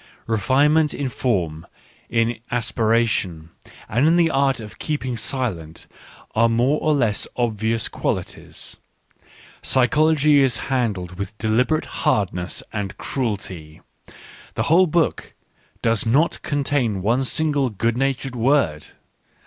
Re finement in form, in aspiration, and in the art of keeping silent, are its more or less obvious quali ties ; psychology is handled with deliberate hard ness and cruelty, — the whole book does not con tain one single good natured word.